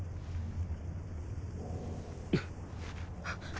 あっ。